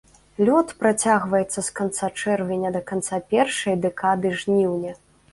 Лёт працягваецца з канца чэрвеня да канца першай дэкады жніўня.